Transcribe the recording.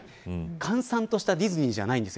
閑散としたディズニーじゃないんです。